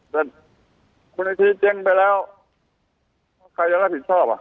ถ้าคุณอิทธิสเต็มไปแล้วใครจะรับผิดศพอ่ะ